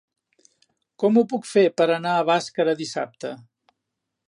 Com ho puc fer per anar a Bàscara dissabte?